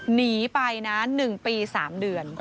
หนีไปนะ๑ปี๓เดือน